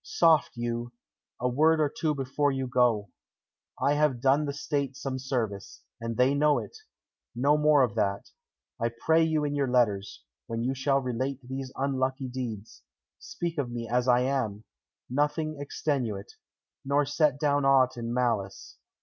"Soft you; a word or two before you go. I have done the State some service, and they know it. No more of that. I pray you in your letters, when you shall relate these unlucky deeds, speak of me as I am; nothing extenuate, nor set down aught in malice.